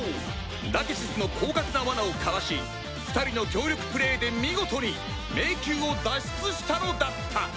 ラケシスの狡猾な罠をかわし２人の協力プレーで見事に迷宮を脱出したのだった！